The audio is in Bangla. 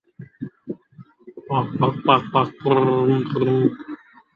এই মন্দিরটি মিরপুরের সবচেয়ে ঐতিহ্যবাহী মন্দিরগুলির একটি।